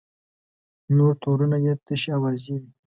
نور تورونه یې تشې اوازې وې.